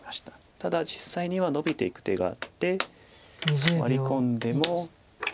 ただ実際にはノビていく手があってワリ込んでもでこうやって。